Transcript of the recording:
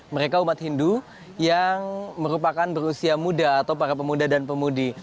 mereka umat hindu yang merupakan berusia muda atau para pemuda dan pemudi